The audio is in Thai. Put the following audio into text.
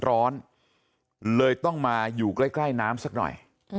ร้อนเลยต้องมาอยู่ใกล้น้ำสักหน่อย